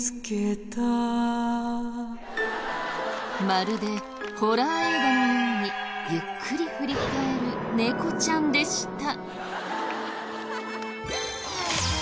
まるでホラー映画のようにゆっくり振り返るネコちゃんでした。